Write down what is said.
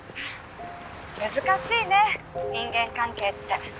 難しいね人間関係って。